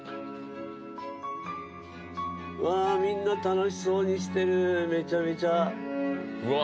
うわみんな楽しそうにしてるめちゃめちゃうわ